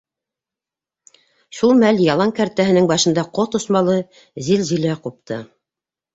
Шул мәл ялан кәртәһенең башында ҡот осмалы зилзилә ҡупты.